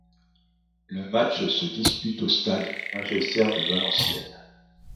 Le match se dispute au stade Nungesser de Valenciennes.